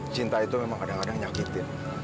cinta itu memang kadang kadang nyakitin